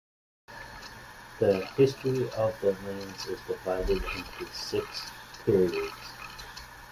The history of the Lands is divided into six periods.